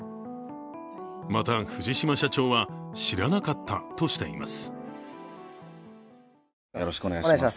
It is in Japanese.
また、藤島社長は、知らなかったとしています。